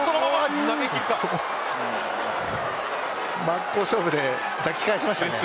真っ向勝負で抱き返しましたね。